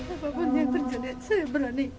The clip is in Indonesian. apapun yang terjadi saya berani